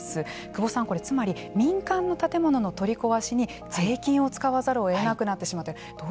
久保さん、これつまり民間の建物の取り壊しに税金を使わざるをえなくなってしまっていると。